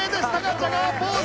ジャガーポーズ！